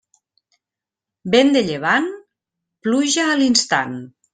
Vent de llevant, pluja a l'instant.